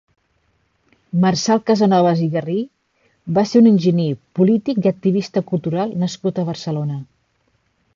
Marçal Casanovas i Guerri va ser un enginyer, polític i activista cultural nascut a Barcelona.